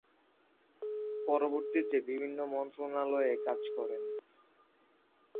পরবর্তীতে বিভিন্ন মন্ত্রণালয়ে কাজ করেন।